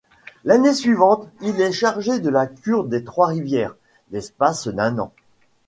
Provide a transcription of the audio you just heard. L'année suivante, il est chargé de la cure des Trois-Rivières, l'espace d'un an.